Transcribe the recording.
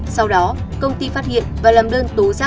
sau đó công ty phát hiện và làm đơn tố giác